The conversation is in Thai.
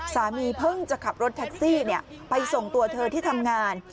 เพิ่งจะขับรถแท็กซี่ไปส่งตัวเธอที่ทำงาน